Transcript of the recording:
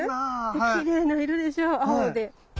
できれいな色でしょ青で。